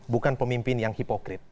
bukan pemimpin yang hipokrit